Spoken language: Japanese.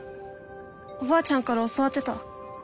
おばあちゃんから教わってた。